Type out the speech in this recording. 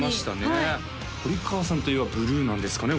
確かにはい堀川さんといえばブルーなんですかね